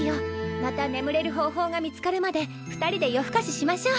また眠れる方法が見つかるまで２人で夜更かししましょう。